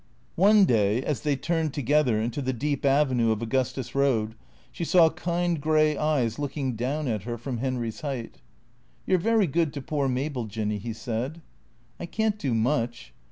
One day as they turned together into the deep avenue of Au gustus Road, she saw kind grey eyes looking down at her from Henry's height. " You 're very good to poor Mabel, Jinny," he said. " I can't do much."